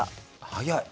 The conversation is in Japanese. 早い！